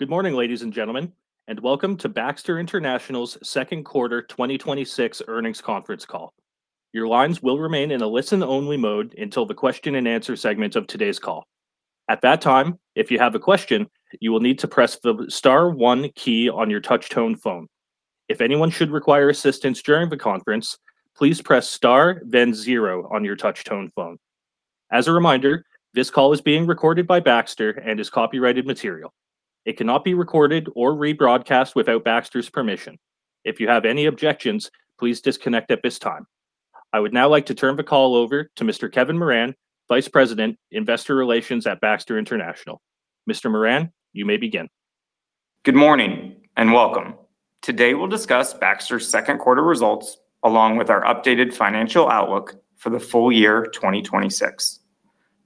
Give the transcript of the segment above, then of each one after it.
Good morning, ladies and gentlemen, and welcome to Baxter International's second quarter 2026 earnings conference call. Your lines will remain in a listen-only mode until the question and answer segment of today's call. At that time, if you have a question, you will need to press the *1 key on your touch tone phone. If anyone should require assistance during the conference, please press star then zero on your touch tone phone. As a reminder, this call is being recorded by Baxter and is copyrighted material. It cannot be recorded or rebroadcast without Baxter's permission. If you have any objections, please disconnect at this time. I would now like to turn the call over to Mr. Kevin Moran, Vice President, Investor Relations at Baxter International. Mr. Moran, you may begin. Good morning, and welcome. Today we'll discuss Baxter's second quarter results, along with our updated financial outlook for the full year 2026.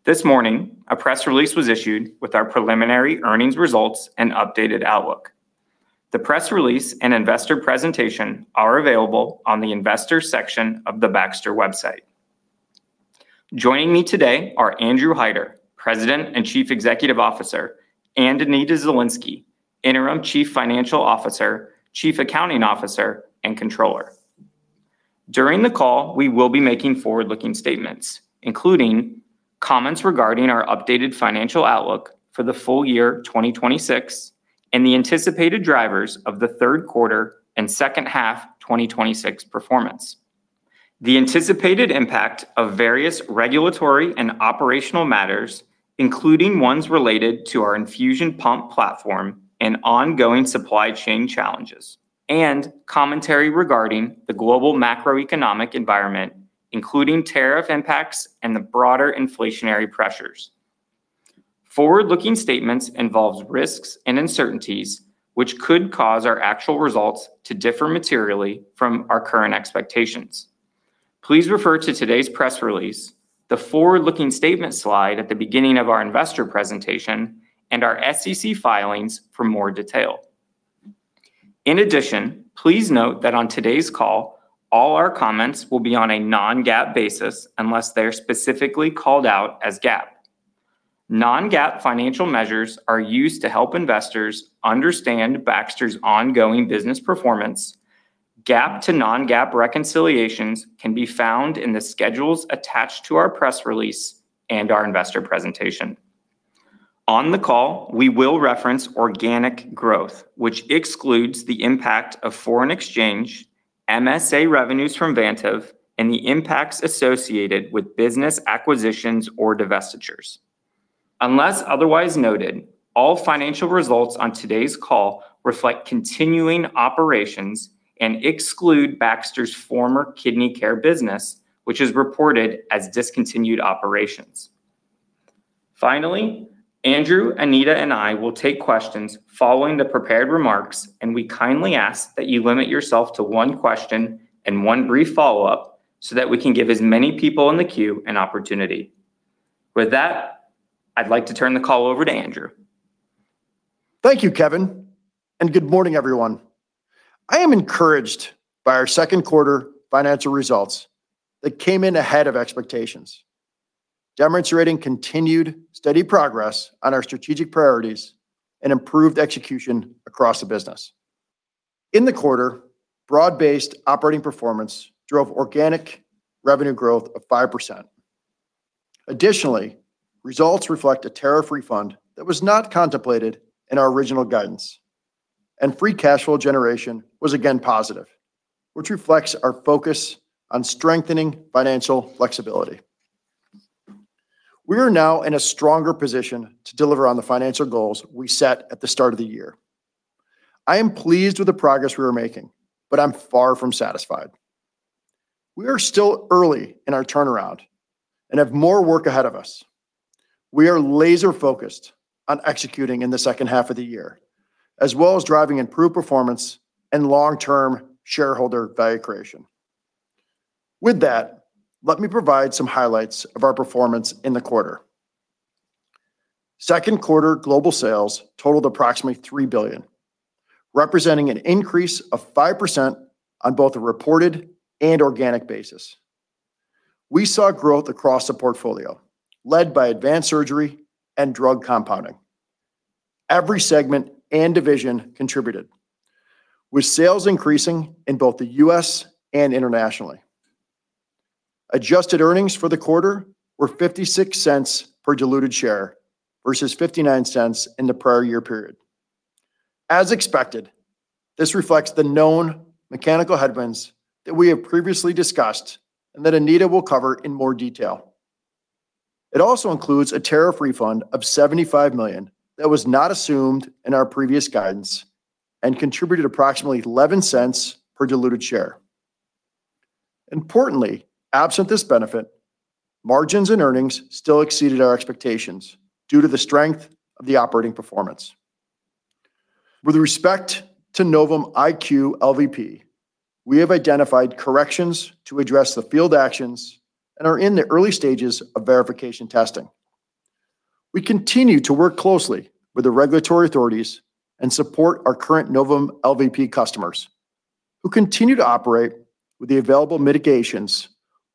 This morning, a press release was issued with our preliminary earnings results and updated outlook. The press release and investor presentation are available on the Investors section of the Baxter website. Joining me today are Andrew Hider, President and Chief Executive Officer, and Anita Zielinski, Interim Chief Financial Officer, Chief Accounting Officer, and Controller. During the call, we will be making forward-looking statements, including comments regarding our updated financial outlook for the full year 2026 and the anticipated drivers of the third quarter and second half 2026 performance, the anticipated impact of various regulatory and operational matters, including ones related to our infusion pump platform and ongoing supply chain challenges, and commentary regarding the global macroeconomic environment, including tariff impacts and the broader inflationary pressures. Forward-looking statements involve risks and uncertainties which could cause our actual results to differ materially from our current expectations. Please refer to today's press release, the forward-looking statement slide at the beginning of our investor presentation, and our SEC filings for more detail. In addition, please note that on today's call, all our comments will be on a non-GAAP basis unless they're specifically called out as GAAP. Non-GAAP financial measures are used to help investors understand Baxter's ongoing business performance. GAAP to non-GAAP reconciliations can be found in the schedules attached to our press release and our investor presentation. On the call, we will reference organic growth, which excludes the impact of foreign exchange, MSA revenues from Vantive, and the impacts associated with business acquisitions or divestitures. Unless otherwise noted, all financial results on today's call reflect continuing operations and exclude Baxter's former kidney care business, which is reported as discontinued operations. Finally, Andrew, Anita, and I will take questions following the prepared remarks. We kindly ask that you limit yourself to one question and one brief follow-up so that we can give as many people in the queue an opportunity. With that, I'd like to turn the call over to Andrew. Thank you, Kevin, and good morning, everyone. I am encouraged by our second quarter financial results that came in ahead of expectations, demonstrating continued steady progress on our strategic priorities and improved execution across the business. In the quarter, broad-based operating performance drove organic revenue growth of 5%. Additionally, results reflect a tariff refund that was not contemplated in our original guidance. Free cash flow generation was again positive, which reflects our focus on strengthening financial flexibility. We are now in a stronger position to deliver on the financial goals we set at the start of the year. I am pleased with the progress we are making, but I'm far from satisfied. We are still early in our turnaround and have more work ahead of us. We are laser-focused on executing in the second half of the year, as well as driving improved performance and long-term shareholder value creation. With that, let me provide some highlights of our performance in the quarter. Second quarter global sales totaled approximately $3 billion, representing an increase of 5% on both a reported and organic basis. We saw growth across the portfolio, led by Advanced Surgery and drug compounding. Every segment and division contributed, with sales increasing in both the U.S. and internationally. Adjusted earnings for the quarter were $0.56 per diluted share versus $0.59 in the prior year period. As expected, this reflects the known mechanical headwinds that we have previously discussed and that Anita will cover in more detail. It also includes a tariff refund of $75 million that was not assumed in our previous guidance and contributed approximately $0.11 per diluted share. Importantly, absent this benefit, margins and earnings still exceeded our expectations due to the strength of the operating performance. With respect to Novum IQ LVP, we have identified corrections to address the field actions and are in the early stages of verification testing. We continue to work closely with the regulatory authorities and support our current Novum LVP customers who continue to operate with the available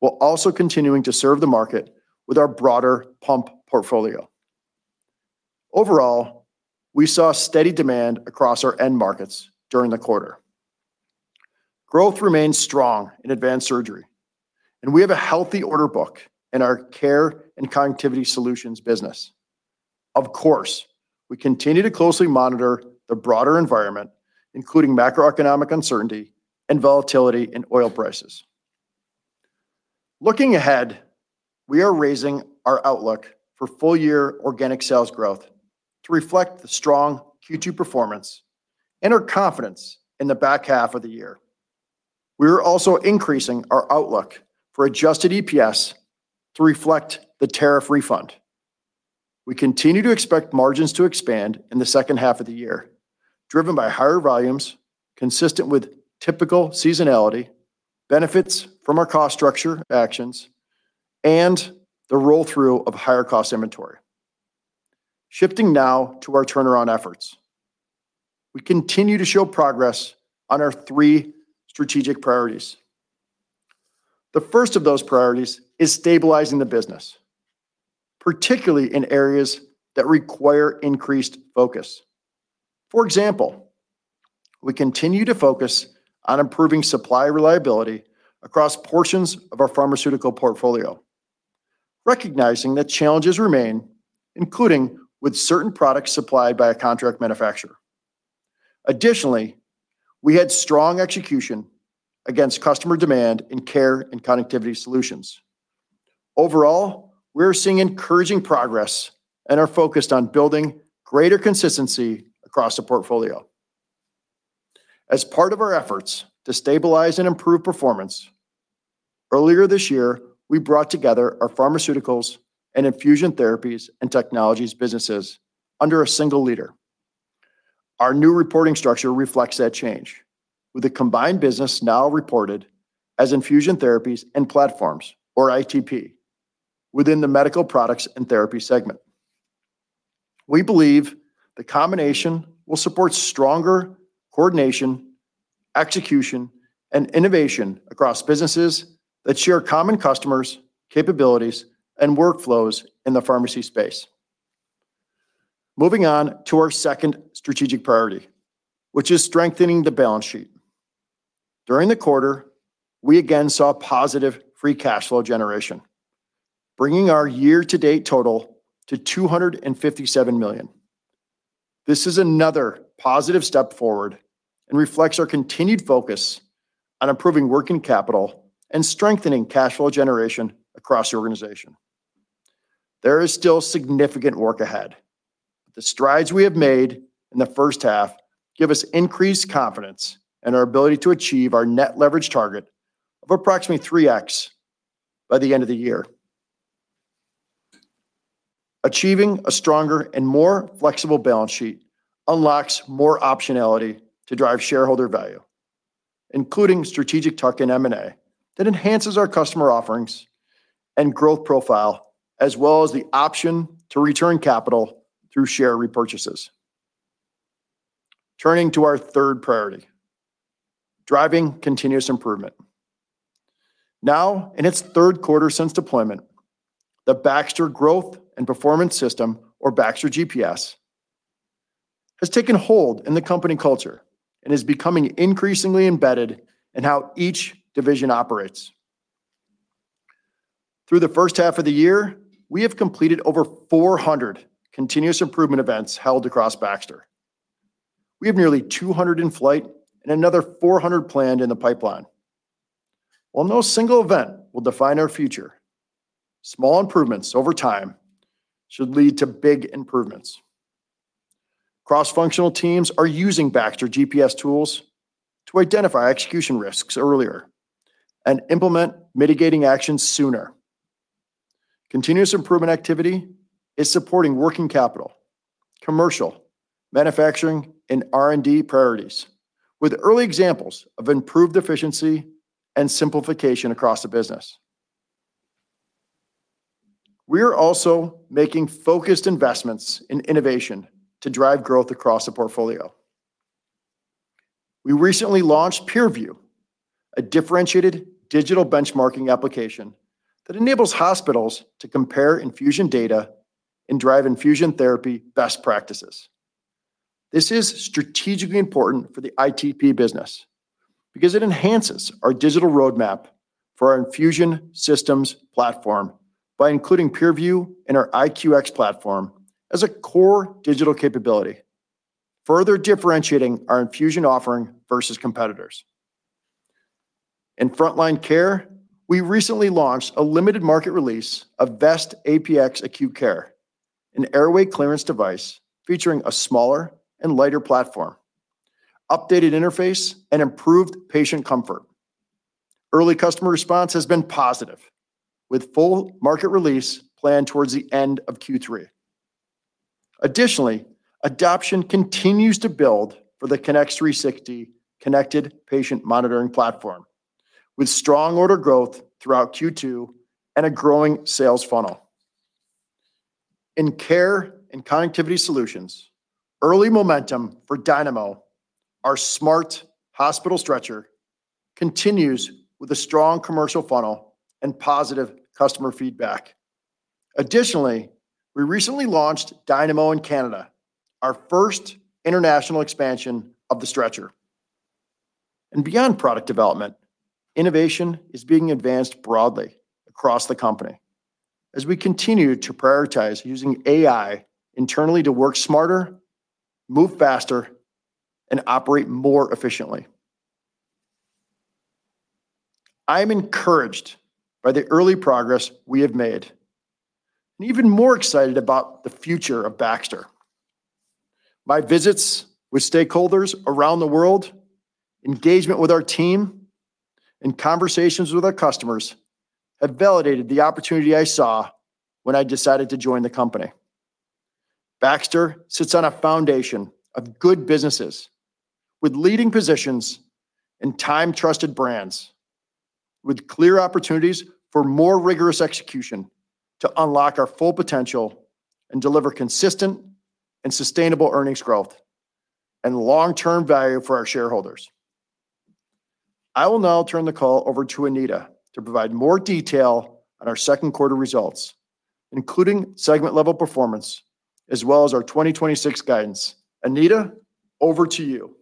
mitigations, while also continuing to serve the market with our broader pump portfolio. Overall, we saw steady demand across our end markets during the quarter. Growth remains strong in Advanced Surgery, and we have a healthy order book in our Care & Connectivity Solutions business. Of course, we continue to closely monitor the broader environment, including macroeconomic uncertainty and volatility in oil prices. Looking ahead, we are raising our outlook for full-year organic sales growth to reflect the strong Q2 performance and our confidence in the back half of the year. We are also increasing our outlook for adjusted EPS to reflect the tariff refund. We continue to expect margins to expand in the second half of the year, driven by higher volumes consistent with typical seasonality, benefits from our cost structure actions, and the roll-through of higher cost inventory. Shifting now to our turnaround efforts. We continue to show progress on our three strategic priorities. The first of those priorities is stabilizing the business, particularly in areas that require increased focus. For example, we continue to focus on improving supply reliability across portions of our pharmaceutical portfolio, recognizing that challenges remain, including with certain products supplied by a contract manufacturer. Additionally, we had strong execution against customer demand in Care & Connectivity Solutions. Overall, we're seeing encouraging progress and are focused on building greater consistency across the portfolio. As part of our efforts to stabilize and improve performance, earlier this year, we brought together our pharmaceuticals and infusion therapies and technologies businesses under a single leader. Our new reporting structure reflects that change, with the combined business now reported as Infusion Therapies & Platforms, or ITP, within the Medical Products & Therapies segment. We believe the combination will support stronger coordination, execution, and innovation across businesses that share common customers, capabilities, and workflows in the pharmacy space. Moving on to our second strategic priority, which is strengthening the balance sheet. During the quarter, we again saw positive free cash flow generation, bringing our year-to-date total to $257 million. This is another positive step forward and reflects our continued focus on improving working capital and strengthening cash flow generation across the organization. There is still significant work ahead, but the strides we have made in the first half give us increased confidence in our ability to achieve our net leverage target of approximately 3X by the end of the year. Achieving a stronger and more flexible balance sheet unlocks more optionality to drive shareholder value, including strategic tuck-in M&A that enhances our customer offerings and growth profile, as well as the option to return capital through share repurchases. Turning to our third priority, driving continuous improvement. Now, in its third quarter since deployment, the Baxter Growth and Performance System, or Baxter GPS, has taken hold in the company culture and is becoming increasingly embedded in how each division operates. Through the first half of the year, we have completed over 400 continuous improvement events held across Baxter. We have nearly 200 in flight and another 400 planned in the pipeline. While no single event will define our future, small improvements over time should lead to big improvements. Cross-functional teams are using Baxter GPS tools to identify execution risks earlier and implement mitigating actions sooner. Continuous improvement activity is supporting working capital, commercial, manufacturing, and R&D priorities, with early examples of improved efficiency and simplification across the business. We are also making focused investments in innovation to drive growth across the portfolio. We recently launched PeerView, a differentiated digital benchmarking application that enables hospitals to compare infusion data and drive infusion therapy best practices. This is strategically important for the ITP business because it enhances our digital roadmap for our infusion systems platform by including PeerView in our IQX platform as a core digital capability, further differentiating our infusion offering versus competitors. In Front Line Care, we recently launched a limited market release of Vest APX Acute Care, an airway clearance device featuring a smaller and lighter platform, updated interface, and improved patient comfort. Early customer response has been positive, with full market release planned towards the end of Q3. Additionally, adoption continues to build for the Connex 360 connected patient monitoring platform, with strong order growth throughout Q2 and a growing sales funnel. In Care & Connectivity Solutions, early momentum for Dynamo, our smart hospital stretcher, continues with a strong commercial funnel and positive customer feedback. Additionally, we recently launched Dynamo in Canada, our first international expansion of the stretcher. Beyond product development, innovation is being advanced broadly across the company as we continue to prioritize using AI internally to work smarter, move faster, and operate more efficiently. I am encouraged by the early progress we have made and even more excited about the future of Baxter. My visits with stakeholders around the world, engagement with our team, and conversations with our customers have validated the opportunity I saw when I decided to join the company. Baxter sits on a foundation of good businesses with leading positions and time-trusted brands, with clear opportunities for more rigorous execution to unlock our full potential and deliver consistent and sustainable earnings growth and long-term value for our shareholders. I will now turn the call over to Anita to provide more detail on our second quarter results, including segment-level performance, as well as our 2026 guidance. Anita, over to you.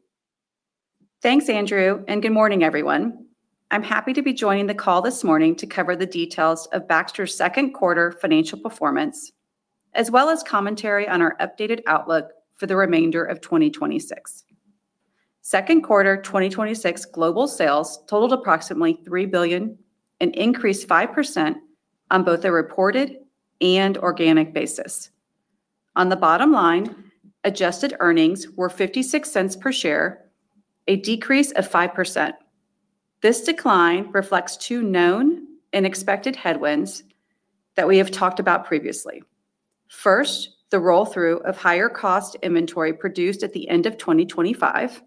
Thanks, Andrew. Good morning, everyone. I'm happy to be joining the call this morning to cover the details of Baxter's second quarter financial performance, as well as commentary on our updated outlook for the remainder of 2026. Second quarter 2026 global sales totaled approximately $3 billion, an increase 5% on both a reported and organic basis. On the bottom line, adjusted earnings were $0.56 per share, a decrease of 5%. This decline reflects two known and expected headwinds that we have talked about previously. First, the roll-through of higher cost inventory produced at the end of 2025.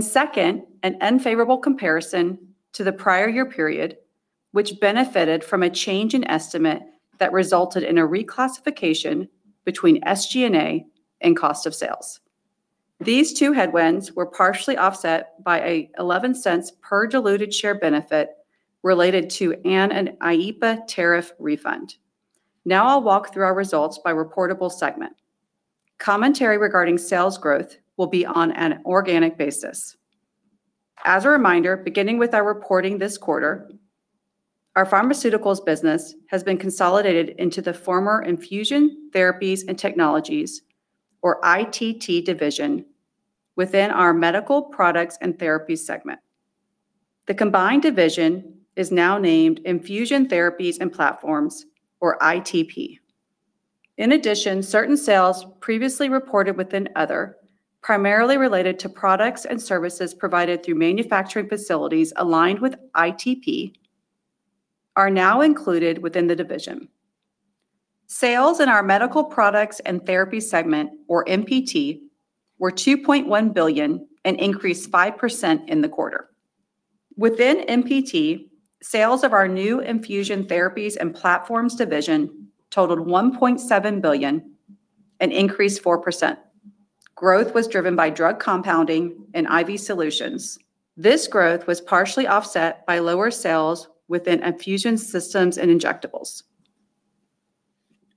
Second, an unfavorable comparison to the prior year period, which benefited from a change in estimate that resulted in a reclassification between SG&A and cost of sales. These two headwinds were partially offset by an $0.11 per diluted share benefit related to an IEEPA tariff refund. Now I'll walk through our results by reportable segment. Commentary regarding sales growth will be on an organic basis. As a reminder, beginning with our reporting this quarter, our pharmaceuticals business has been consolidated into the former Infusion Therapies & Technologies, or ITT division, within our Medical Products & Therapies segment. The combined division is now named Infusion Therapies & Platforms, or ITP. In addition, certain sales previously reported within other, primarily related to products and services provided through manufacturing facilities aligned with ITP, are now included within the division. Sales in our Medical Products & Therapies segment, or MPT, were $2.1 billion, an increase 5% in the quarter. Within MPT, sales of our new Infusion Therapies & Platforms division totaled $1.7 billion, an increase 4%. Growth was driven by drug compounding and IV Solutions. This growth was partially offset by lower sales within infusion systems and injectables.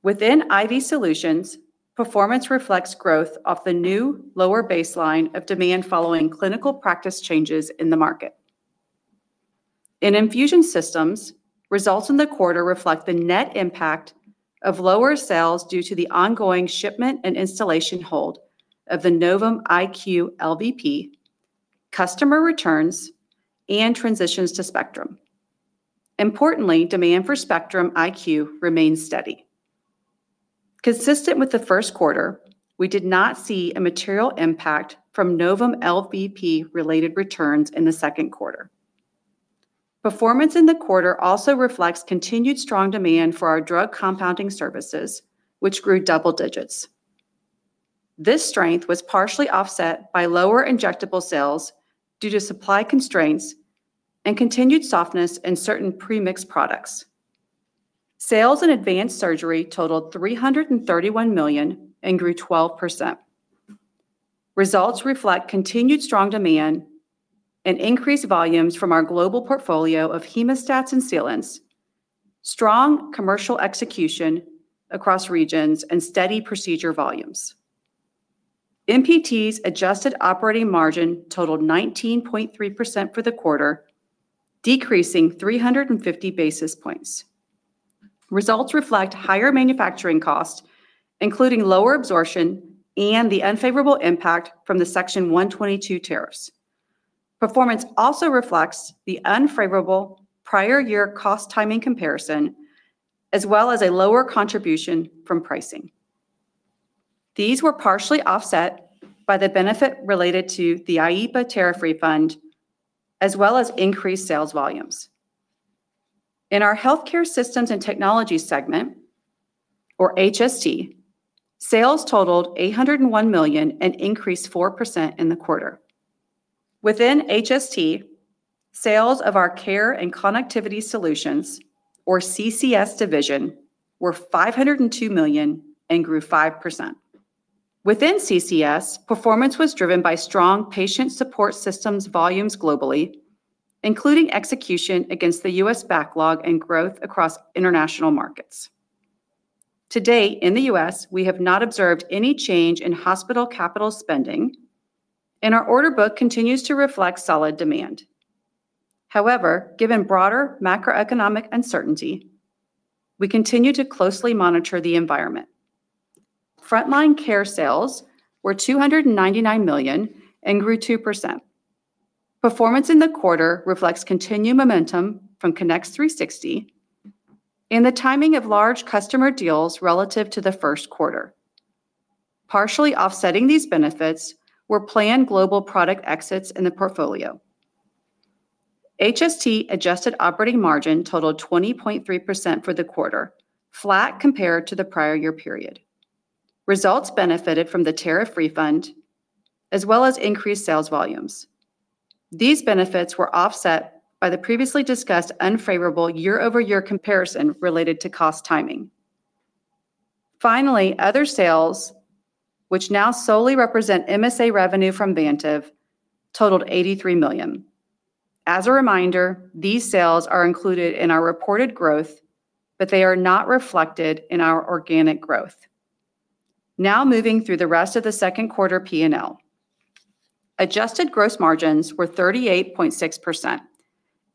Within IV Solutions, performance reflects growth off the new lower baseline of demand following clinical practice changes in the market. In infusion systems, results in the quarter reflect the net impact of lower sales due to the ongoing shipment and installation hold of the Novum IQ LVP, customer returns, and transitions to Spectrum. Importantly, demand for Spectrum IQ remains steady. Consistent with the first quarter, we did not see a material impact from Novum LVP related returns in the second quarter. Performance in the quarter also reflects continued strong demand for our drug compounding services, which grew double digits. This strength was partially offset by lower injectable sales due to supply constraints and continued softness in certain pre-mix products. Sales in Advanced Surgery totaled $331 million and grew 12%. Results reflect continued strong demand and increased volumes from our global portfolio of hemostats and sealants, strong commercial execution across regions, and steady procedure volumes. MPT's adjusted operating margin totaled 19.3% for the quarter, decreasing 350 basis points. Results reflect higher manufacturing costs, including lower absorption and the unfavorable impact from the Section 122 tariffs. Performance also reflects the unfavorable prior year cost timing comparison, as well as a lower contribution from pricing. These were partially offset by the benefit related to the IEEPA tariff refund, as well as increased sales volumes. In our Healthcare Systems & Technologies segment, or HST, sales totaled $801 million, an increase 4% in the quarter. Within HST, sales of our Care & Connectivity Solutions or CCS division were $502 million and grew 5%. Within CCS, performance was driven by strong Patient Support Systems volumes globally, including execution against the U.S. backlog and growth across international markets. To date in the U.S., we have not observed any change in hospital capital spending, and our order book continues to reflect solid demand. However, given broader macroeconomic uncertainty, we continue to closely monitor the environment. Front Line Care sales were $299 million and grew 2%. Performance in the quarter reflects continued momentum from Connex 360 and the timing of large customer deals relative to the first quarter. Partially offsetting these benefits were planned global product exits in the portfolio. HST adjusted operating margin totaled 20.3% for the quarter, flat compared to the prior year period. Results benefited from the tariff refund, as well as increased sales volumes. These benefits were offset by the previously discussed unfavorable year-over-year comparison related to cost timing. Finally, other sales, which now solely represent MSA revenue from Vantive, totaled $83 million. As a reminder, these sales are included in our reported growth, but they are not reflected in our organic growth. Moving through the rest of the second quarter P&L. Adjusted gross margins were 38.6%,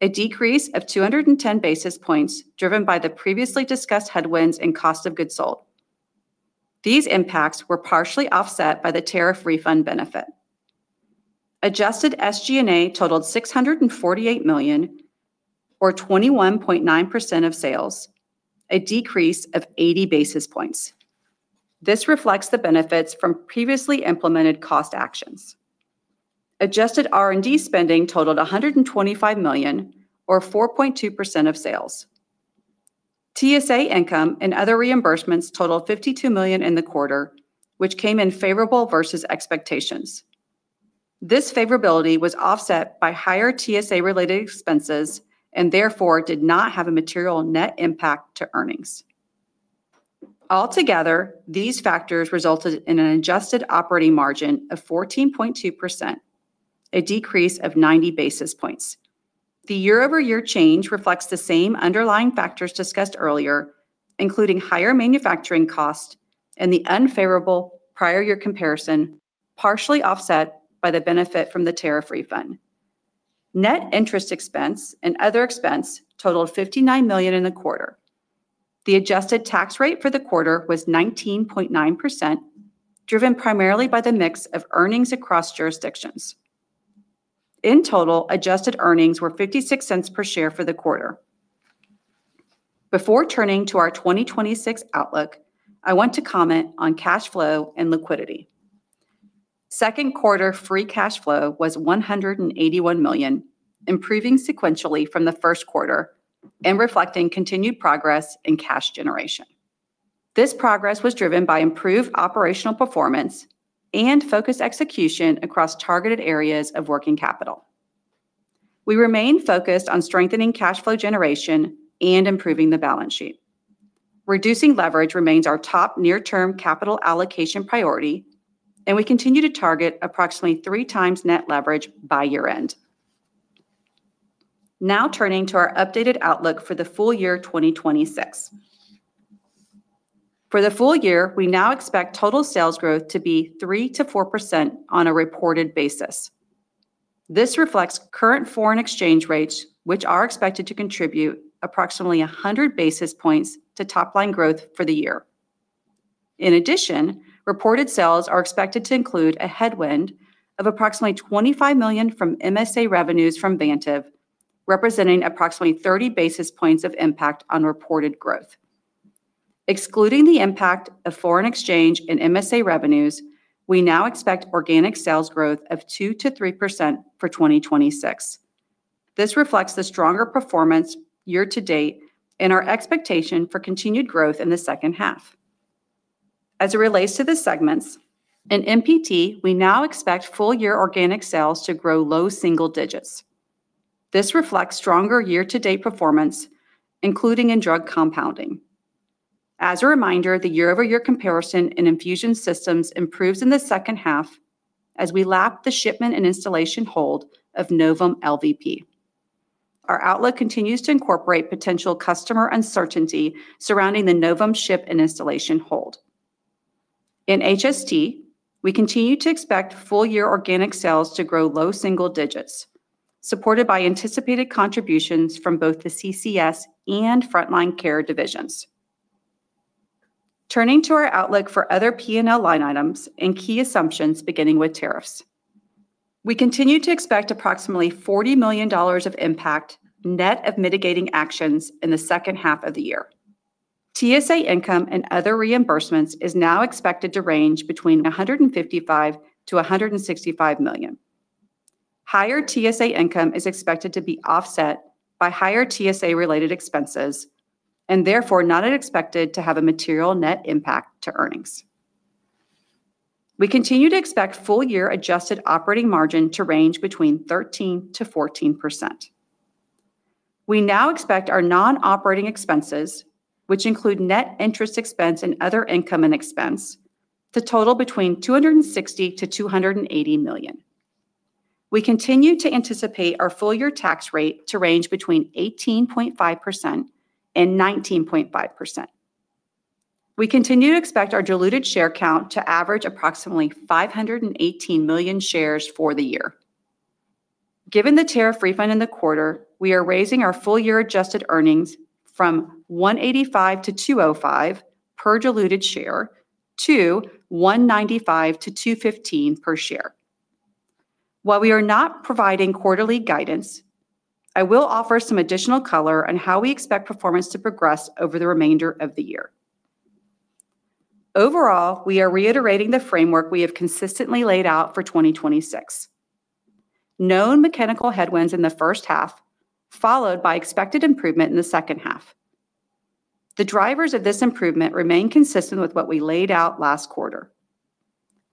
a decrease of 210 basis points driven by the previously discussed headwinds and cost of goods sold. These impacts were partially offset by the tariff refund benefit. Adjusted SG&A totaled $648 million, or 21.9% of sales, a decrease of 80 basis points. This reflects the benefits from previously implemented cost actions. Adjusted R&D spending totaled $125 million, or 4.2% of sales. TSA income and other reimbursements totaled $52 million in the quarter, which came in favorable versus expectations. This favorability was offset by higher TSA related expenses and therefore did not have a material net impact to earnings. Altogether, these factors resulted in an adjusted operating margin of 14.2%, a decrease of 90 basis points. The year-over-year change reflects the same underlying factors discussed earlier, including higher manufacturing cost and the unfavorable prior year comparison, partially offset by the benefit from the tariff refund. Net interest expense and other expense totaled $59 million in the quarter. The adjusted tax rate for the quarter was 19.9%, driven primarily by the mix of earnings across jurisdictions. In total, adjusted earnings were $0.56 per share for the quarter. Before turning to our 2026 outlook, I want to comment on cash flow and liquidity. Second quarter free cash flow was $181 million, improving sequentially from the first quarter and reflecting continued progress in cash generation. This progress was driven by improved operational performance and focused execution across targeted areas of working capital. We remain focused on strengthening cash flow generation and improving the balance sheet. Reducing leverage remains our top near-term capital allocation priority, and we continue to target approximately three times net leverage by year-end. Turning to our updated outlook for the full year 2026. For the full year, we now expect total sales growth to be 3%-4% on a reported basis. This reflects current foreign exchange rates, which are expected to contribute approximately 100 basis points to top-line growth for the year. In addition, reported sales are expected to include a headwind of approximately $25 million from MSA revenues from Vantive, representing approximately 30 basis points of impact on reported growth. Excluding the impact of foreign exchange and MSA revenues, we now expect organic sales growth of 2%-3% for 2026. This reflects the stronger performance year-to-date and our expectation for continued growth in the second half. As it relates to the segments, in MPT, we now expect full year organic sales to grow low single digits. This reflects stronger year-to-date performance, including in drug compounding. As a reminder, the year-over-year comparison in infusion systems improves in the second half as we lap the shipment and installation hold of Novum LVP. Our outlook continues to incorporate potential customer uncertainty surrounding the Novum ship and installation hold. In HST, we continue to expect full year organic sales to grow low single digits, supported by anticipated contributions from both the CCS and Front Line Care divisions. Turning to our outlook for other P&L line items and key assumptions beginning with tariffs. We continue to expect approximately $40 million of impact, net of mitigating actions in the second half of the year. TSA income and other reimbursements is now expected to range between $155 million-$165 million. Higher TSA income is expected to be offset by higher TSA related expenses, and therefore not expected to have a material net impact to earnings. We continue to expect full-year adjusted operating margin to range between 13%-14%. We now expect our non-operating expenses, which include net interest expense and other income and expense, to total between $260 million-$280 million. We continue to anticipate our full-year tax rate to range between 18.5% and 19.5%. We continue to expect our diluted share count to average approximately 518 million shares for the year. Given the tariff refund in the quarter, we are raising our full-year adjusted earnings from $1.85-$2.05 per diluted share to $1.95-$2.15 per share. While we are not providing quarterly guidance, I will offer some additional color on how we expect performance to progress over the remainder of the year. Overall, we are reiterating the framework we have consistently laid out for 2026. Known mechanical headwinds in the first half, followed by expected improvement in the second half. The drivers of this improvement remain consistent with what we laid out last quarter.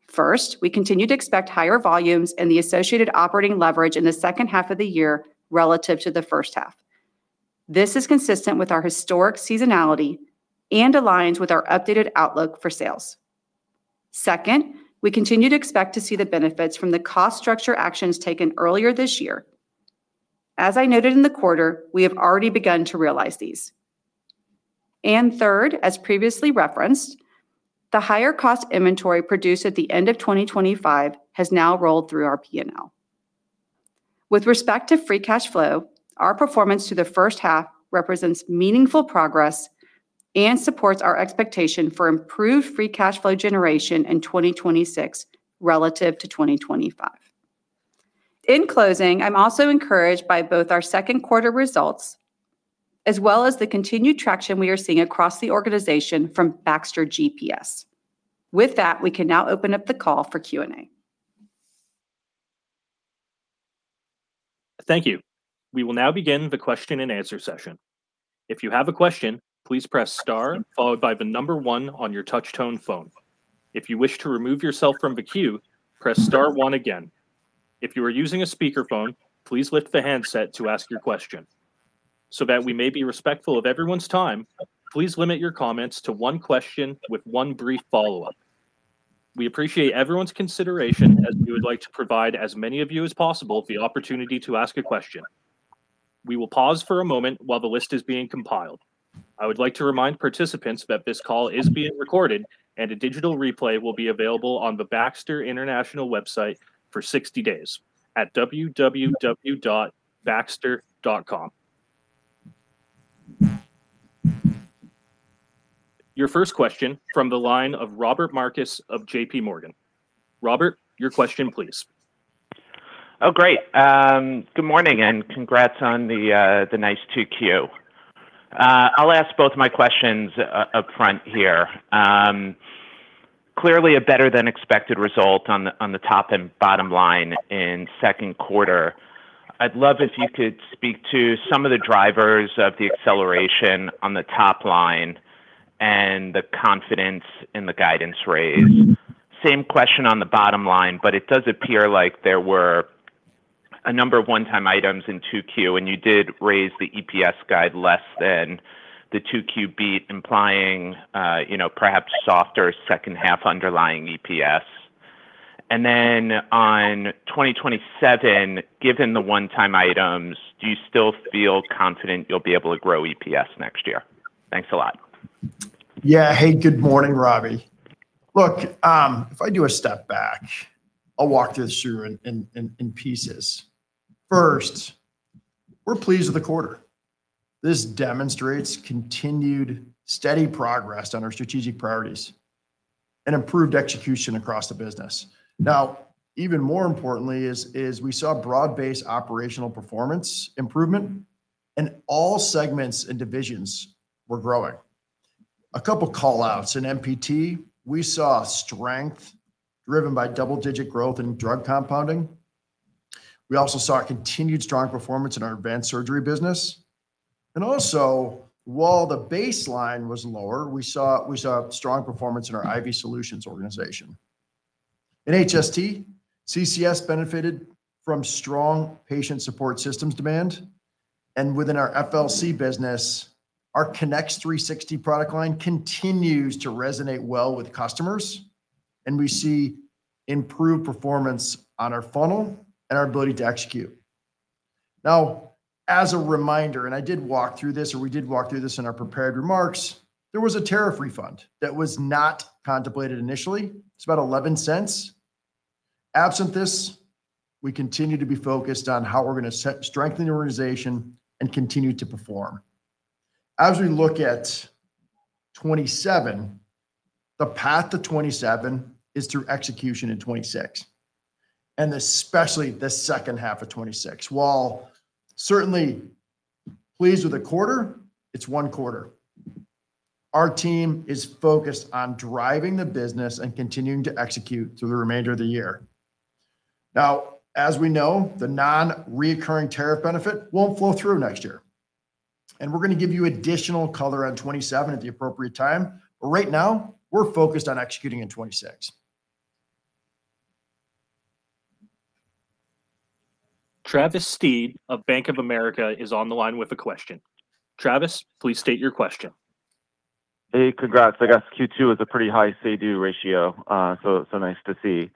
First, we continue to expect higher volumes and the associated operating leverage in the second half of the year relative to the first half. This is consistent with our historic seasonality and aligns with our updated outlook for sales. Second, we continue to expect to see the benefits from the cost structure actions taken earlier this year. As I noted in the quarter, we have already begun to realize these. Third, as previously referenced, the higher cost inventory produced at the end of 2025 has now rolled through our P&L. With respect to free cash flow, our performance through the first half represents meaningful progress and supports our expectation for improved free cash flow generation in 2026 relative to 2025. In closing, I am also encouraged by both our second quarter results, as well as the continued traction we are seeing across the organization from Baxter GPS. That, we can now open up the call for Q&A. Thank you. We will now begin the question and answer session. If you have a question, please press star followed by the number one on your touch-tone phone. If you wish to remove yourself from the queue, press star one again. If you are using a speakerphone, please lift the handset to ask your question. That we may be respectful of everyone's time, please limit your comments to one question with one brief follow-up. We appreciate everyone's consideration as we would like to provide as many of you as possible the opportunity to ask a question. We will pause for a moment while the list is being compiled. I would like to remind participants that this call is being recorded, and a digital replay will be available on the Baxter International website for 60 days at www.baxter.com. Your first question from the line of Robert Marcus of JPMorgan. Robert, your question please. Great. Good morning and congrats on the nice 2Q. I will ask both my questions up front here. Clearly a better than expected result on the top and bottom line in second quarter. I would love if you could speak to some of the drivers of the acceleration on the top line and the confidence in the guidance raise. Same question on the bottom line, but it does appear like there were a number of one-time items in 2Q, and you did raise the EPS guide less than the 2Q beat, implying perhaps softer second half underlying EPS. Then on 2027, given the one-time items, do you still feel confident you will be able to grow EPS next year? Thanks a lot. Yeah. Hey, good morning, Robbie. Look, if I do a step back, I'll walk through this for you in pieces. First, we're pleased with the quarter. This demonstrates continued steady progress on our strategic priorities and improved execution across the business. Even more importantly is we saw broad-based operational performance improvement and all segments and divisions were growing. A couple call-outs. In MPT, we saw strength driven by double-digit growth in drug compounding. We also saw continued strong performance in our Advanced Surgery business, and also, while the baseline was lower, we saw a strong performance in our IV Solutions organization. In HST, CCS benefited from strong Patient Support Systems demand, and within our FLC business, our Connex 360 product line continues to resonate well with customers, and we see improved performance on our funnel and our ability to execute. As a reminder, and I did walk through this, or we did walk through this in our prepared remarks, there was a tariff refund that was not contemplated initially. It's about $0.11. Absent this, we continue to be focused on how we're going to strengthen the organization and continue to perform. As we look at 2027, the path to 2027 is through execution in 2026, and especially the second half of 2026. While certainly pleased with the quarter, it's one quarter. Our team is focused on driving the business and continuing to execute through the remainder of the year. As we know, the non-reoccurring tariff benefit won't flow through next year. We're going to give you additional color on 2027 at the appropriate time. Right now, we're focused on executing in 2026. Travis Steed of Bank of America is on the line with a question. Travis, please state your question. Hey, congrats. I guess Q2 was a pretty high CD ratio. Nice to see.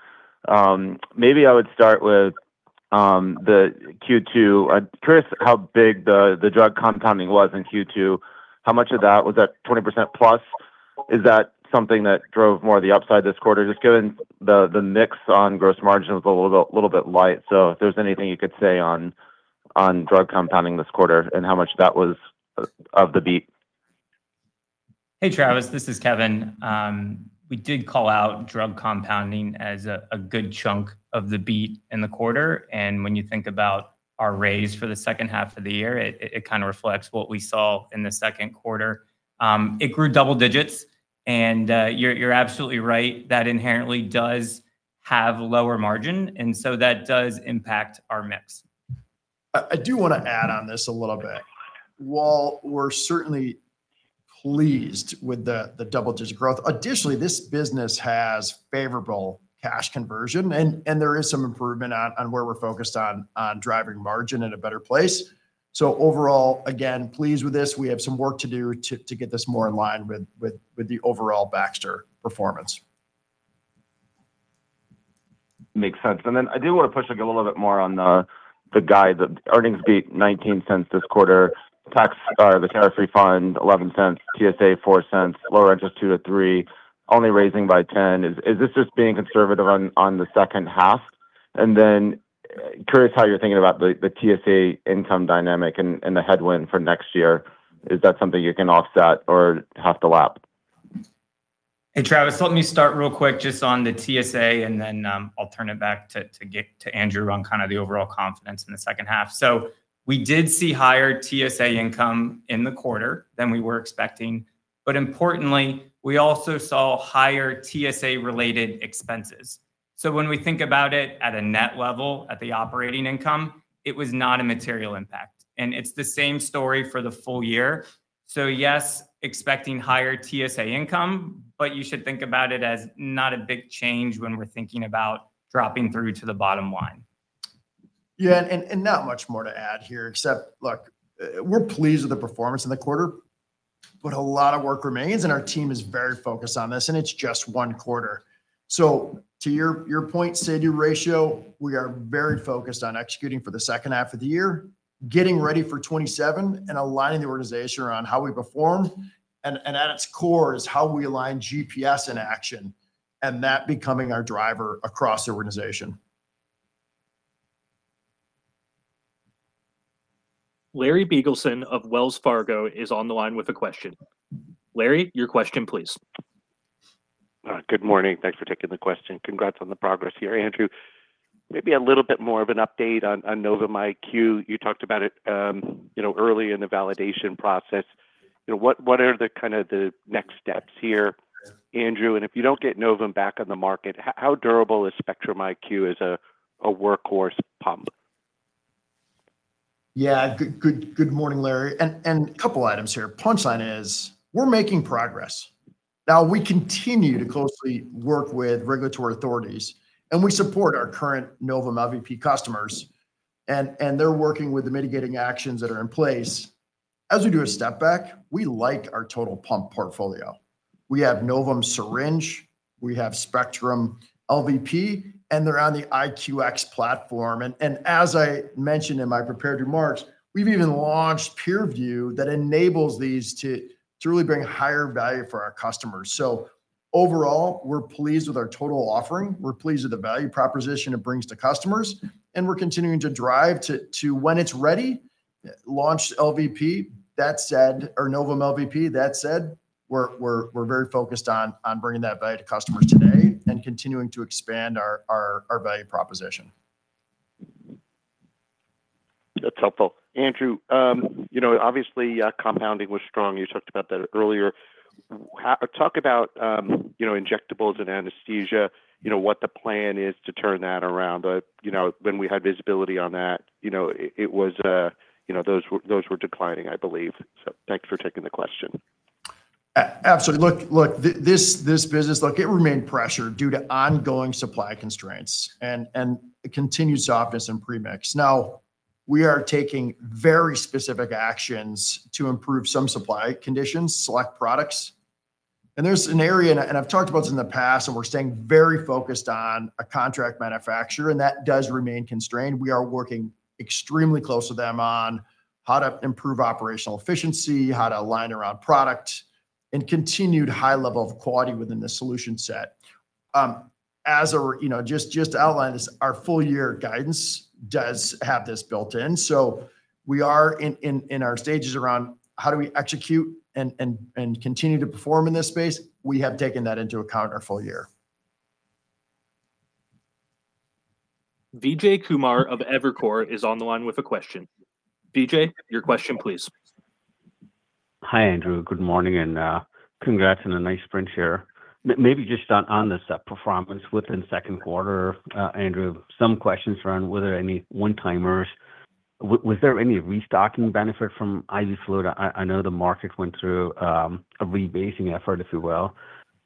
Maybe I would start with the Q2. I'm curious how big the drug compounding was in Q2. How much of that, was that 20% plus? Is that something that drove more of the upside this quarter? Just given the mix on gross margin was a little bit light. If there's anything you could say on drug compounding this quarter and how much that was of the beat. Hey, Travis, this is Kevin. We did call out drug compounding as a good chunk of the beat in the quarter. When you think about our raise for the second half of the year, it kind of reflects what we saw in the second quarter. It grew double digits. You're absolutely right, that inherently does have lower margin. That does impact our mix. I do want to add on this a little bit. While we're certainly pleased with the double-digit growth, additionally, this business has favorable cash conversion and there is some improvement on where we're focused on driving margin at a better place. Overall, again, pleased with this. We have some work to do to get this more in line with the overall Baxter performance. Makes sense. I did want to push a little bit more on the guide. The earnings beat $0.19 this quarter. Tax, the tariff refund $0.11, TSA $0.04, lower interest $0.02-$0.03, only raising by $0.10. Is this just being conservative on the second half? Curious how you're thinking about the TSA income dynamic and the headwind for next year. Is that something you can offset or have to lap? Hey, Travis, let me start real quick just on the TSA. Then I'll turn it back to Andrew on kind of the overall confidence in the second half. We did see higher TSA income in the quarter than we were expecting. Importantly, we also saw higher TSA-related expenses. When we think about it at a net level, at the operating income, it was not a material impact. It's the same story for the full year. Yes, expecting higher TSA income. You should think about it as not a big change when we're thinking about dropping through to the bottom line. Yeah, not much more to add here except, look, we're pleased with the performance in the quarter. A lot of work remains and our team is very focused on this. It's just one quarter. To your point, CD ratio, we are very focused on executing for the second half of the year, getting ready for 2027 and aligning the organization around how we perform. At its core is how we align GPS in action and that becoming our driver across the organization. Larry Biegelsen of Wells Fargo is on the line with a question. Larry, your question please. Good morning. Thanks for taking the question. Congrats on the progress here, Andrew. Maybe a little bit more of an update on Novum IQ. You talked about it early in the validation process. What are the next steps here, Andrew? If you don't get Novum back on the market, how durable is Spectrum IQ as a workhorse pump? Yeah. Good morning, Larry. A couple items here. Punch line is we're making progress. Now we continue to closely work with regulatory authorities. We support our current Novum LVP customers. They're working with the mitigating actions that are in place. As we do a step back, we like our total pump portfolio. We have Novum Syringe, we have Spectrum LVP, and they're on the IQX platform. As I mentioned in my prepared remarks, we've even launched PeerView that enables these to truly bring higher value for our customers. Overall, we're pleased with our total offering. We're pleased with the value proposition it brings to customers. We're continuing to drive to when it's ready, launch Novum LVP. That said, we're very focused on bringing that value to customers today. Continuing to expand our value proposition. That's helpful. Andrew, obviously compounding was strong. You talked about that earlier. Talk about injectables and anesthesia, what the plan is to turn that around. When we had visibility on that, those were declining, I believe. Thanks for taking the question. Absolutely. Look, this business, it remained pressured due to ongoing supply constraints and continued softness in premix. Now, we are taking very specific actions to improve some supply conditions, select products. There's an area, and I've talked about this in the past, and we're staying very focused on a contract manufacturer, and that does remain constrained. We are working extremely close with them on how to improve operational efficiency, how to align around product and continued high level of quality within the solution set. Just to outline this, our full year guidance does have this built in, so we are in our stages around how do we execute and continue to perform in this space. We have taken that into account our full year. Vijay Kumar of Evercore is on the line with a question. Vijay, your question please. Hi, Andrew. Good morning, and congrats on a nice sprint here. Maybe just on this performance within second quarter, Andrew, some questions around were there any one-timers. Was there any restocking benefit from IV fluid? I know the market went through a rebasing effort, if you will.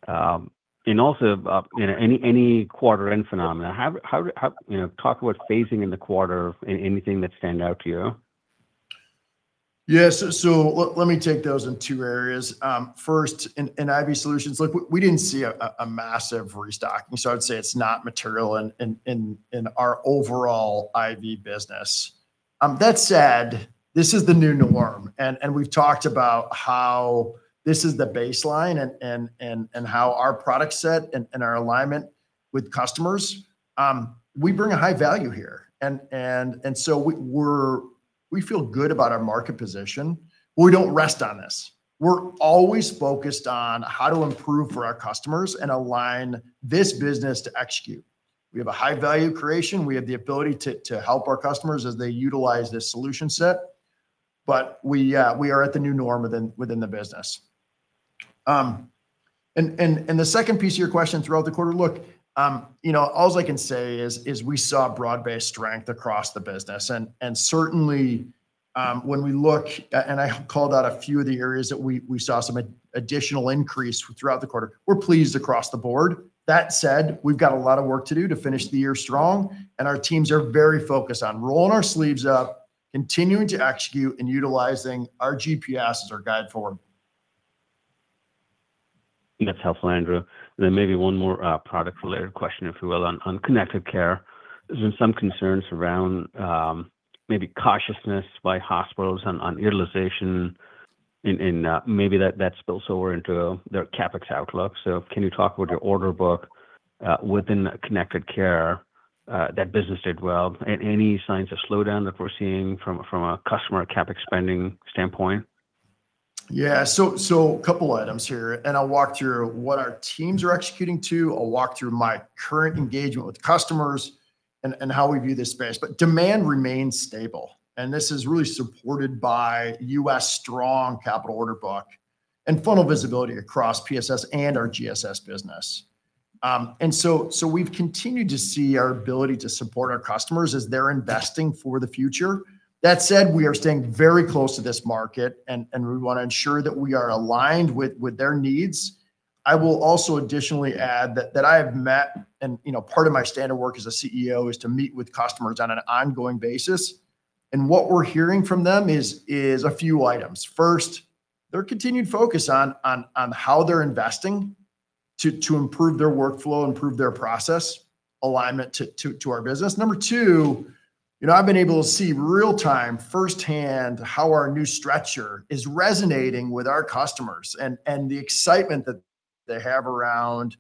Also, any quarter-end phenomena. Talk about phasing in the quarter, anything that stand out to you. Yes. Let me take those in two areas. First, in IV Solutions, look, we didn't see a massive restocking, so I'd say it's not material in our overall IV business. That said, this is the new norm, and we've talked about how this is the baseline and how our product set and our alignment with customers, we bring a high value here. We feel good about our market position, but we don't rest on this. We're always focused on how to improve for our customers and align this business to execute. We have a high value creation. We have the ability to help our customers as they utilize this solution set, but we are at the new norm within the business. The second piece of your question throughout the quarter, look, all is I can say is we saw broad-based strength across the business, and certainly, when we look, and I called out a few of the areas that we saw some additional increase throughout the quarter. We're pleased across the board. That said, we've got a lot of work to do to finish the year strong, and our teams are very focused on rolling our sleeves up, continuing to execute, and utilizing our GPS as our guide forward. That's helpful, Andrew. Maybe one more product-related question, if you will, on Connected Care. There's been some concerns around maybe cautiousness by hospitals on utilization, and maybe that spills over into their CapEx outlook. Can you talk about your order book within Connected Care? That business did well. Any signs of slowdown that we're seeing from a customer CapEx spending standpoint? Couple items here, and I'll walk through what our teams are executing to. I'll walk through my current engagement with customers and how we view this space. Demand remains stable, and this is really supported by U.S. strong capital order book and funnel visibility across PSS and our GSS business. We've continued to see our ability to support our customers as they're investing for the future. That said, we are staying very close to this market, and we want to ensure that we are aligned with their needs. I will also additionally add that I have met, and part of my standard work as a CEO is to meet with customers on an ongoing basis, and what we're hearing from them is a few items. First, their continued focus on how they're investing to improve their workflow, improve their process alignment to our business. Number two, I've been able to see real-time, firsthand how our new stretcher is resonating with our customers and the excitement that they have around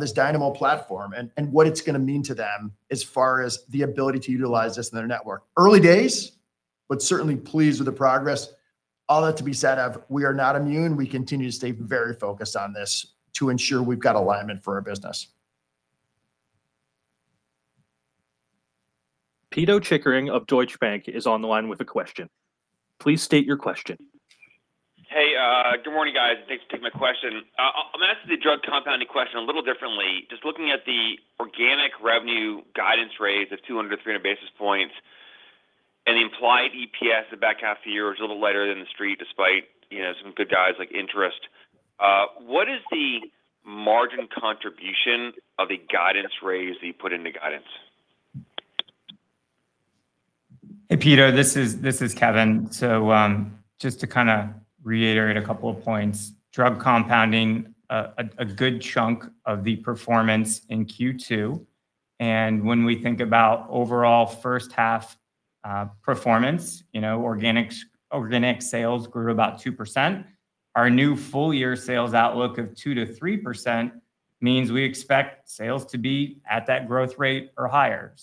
this Dynamo platform and what it's going to mean to them as far as the ability to utilize this in their network. Early days, but certainly pleased with the progress. All that to be said of, we are not immune. We continue to stay very focused on this to ensure we've got alignment for our business. Pito Chickering of Deutsche Bank is on the line with a question. Please state your question. Hey, good morning, guys. Thanks for taking my question. I'm going to ask the drug compounding question a little differently. Just looking at the organic revenue guidance raise of 200 to 300 basis points and the implied EPS the back half of the year is a little lighter than the Street, despite some good guys like interest. What is the margin contribution of the guidance raise that you put into guidance? Hey, Pito, this is Kevin. Just to kind of reiterate a couple of points, drug compounding, a good chunk of the performance in Q2, and when we think about overall first half performance, organic sales grew about 2%. Our new full-year sales outlook of 2%-3% means we expect sales to be at that growth rate or higher.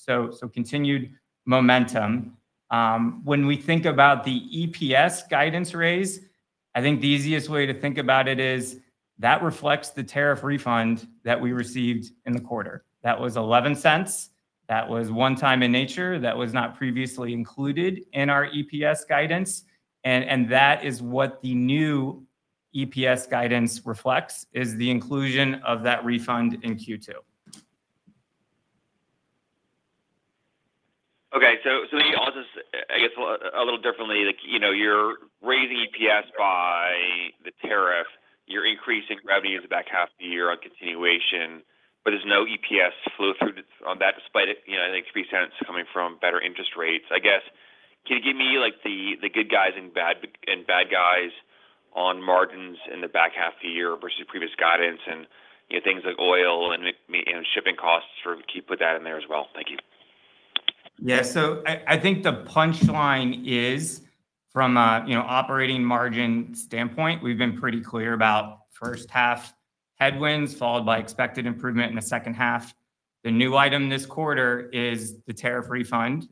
Continued momentum. When we think about the EPS guidance raise, I think the easiest way to think about it is that reflects the tariff refund that we received in the quarter. That was $0.11. That was one time in nature. That was not previously included in our EPS guidance, and that is what the new EPS guidance reflects, is the inclusion of that refund in Q2. Okay. Let me ask this I guess a little differently. You're raising EPS by the tariff. You're increasing revenue in the back half of the year on continuation, but there's no EPS flow through on that despite it, I think $0.03 coming from better interest rates. I guess, can you give me the good guys and bad guys on margins in the back half of the year versus previous guidance and things like oil and shipping costs for keep with that in there as well. Thank you. Yeah. I think the punchline is from an operating margin standpoint, we've been pretty clear about first half headwinds followed by expected improvement in the second half. The new item this quarter is the tariff refund,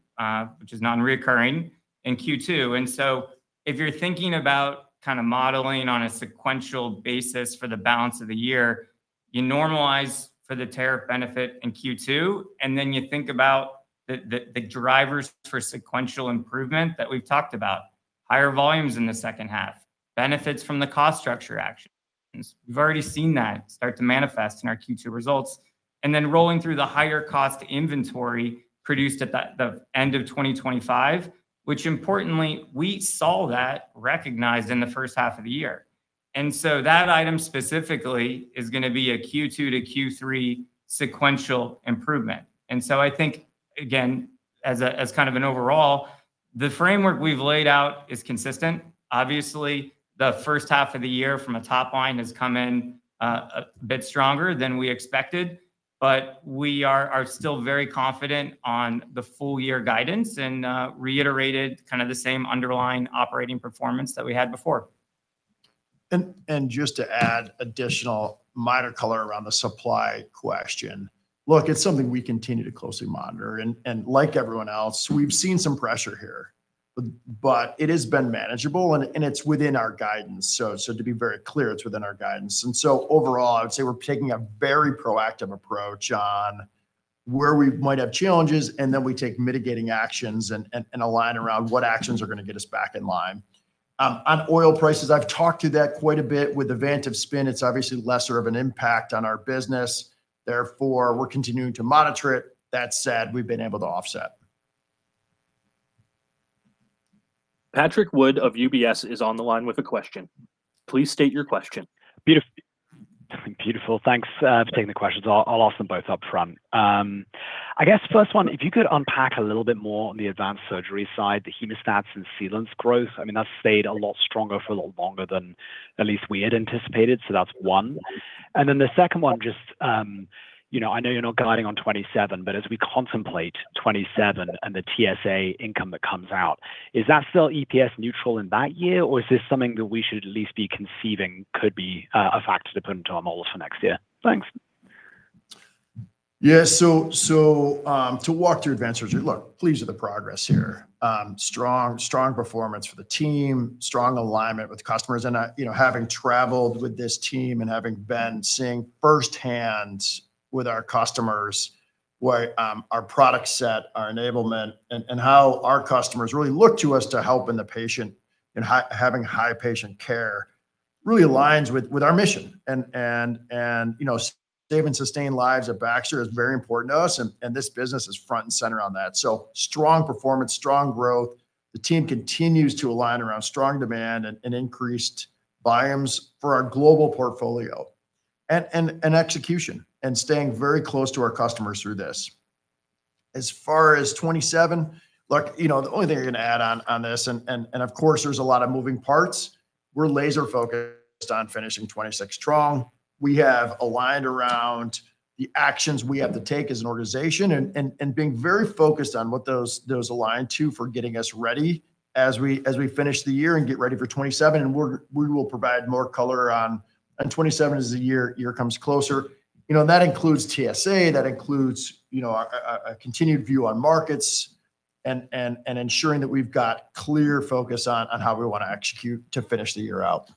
which is non-recurring, in Q2. If you're thinking about kind of modeling on a sequential basis for the balance of the year You normalize for the tariff benefit in Q2, you think about the drivers for sequential improvement that we've talked about. Higher volumes in the second half, benefits from the cost structure actions. We've already seen that start to manifest in our Q2 results, rolling through the higher cost inventory produced at the end of 2025, which importantly, we saw that recognized in the first half of the year. That item specifically is going to be a Q2 to Q3 sequential improvement. I think, again, as kind of an overall, the framework we've laid out is consistent. Obviously, the first half of the year from a top-line has come in a bit stronger than we expected, but we are still very confident on the full-year guidance and reiterated kind of the same underlying operating performance that we had before. Just to add additional minor color around the supply question. Look, it's something we continue to closely monitor. Like everyone else, we've seen some pressure here. It has been manageable and it's within our guidance. To be very clear, it's within our guidance. Overall, I would say we're taking a very proactive approach on where we might have challenges, we take mitigating actions and align around what actions are going to get us back in line. On oil prices, I've talked to that quite a bit. With the Vantive spin, it's obviously lesser of an impact on our business, therefore we're continuing to monitor it. That said, we've been able to offset. Patrick Wood of UBS is on the line with a question. Please state your question. Beautiful. Thanks for taking the questions. I'll ask them both upfront. I guess first one, if you could unpack a little bit more on the Advanced Surgery side, the hemostats and sealants growth. That's stayed a lot stronger for a lot longer than at least we had anticipated. That's one. The second one, I know you're not guiding on 2027, but as we contemplate 2027 and the TSA income that comes out, is that still EPS neutral in that year, or is this something that we should at least be conceiving could be a factor to put into our model for next year? Thanks. To walk through Advanced Surgery. Look, pleased with the progress here. Strong performance for the team, strong alignment with customers, and having traveled with this team and having been seeing firsthand with our customers our product set, our enablement, and how our customers really look to us to help in the patient and having high patient care really aligns with our mission. Saving sustained lives at Baxter is very important to us, and this business is front and center on that. Strong performance, strong growth. The team continues to align around strong demand and increased volumes for our global portfolio. Execution, and staying very close to our customers through this. As far as 2027, look, of course there's a lot of moving parts. We're laser-focused on finishing 2026 strong. We have aligned around the actions we have to take as an organization and being very focused on what those align to for getting us ready as we finish the year and get ready for 2027. We will provide more color on 2027 as the year comes closer. That includes TSA, that includes a continued view on markets, and ensuring that we've got clear focus on how we want to execute to finish the year out.